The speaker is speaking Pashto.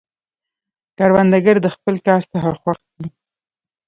کروندګر د خپل کار څخه خوښ دی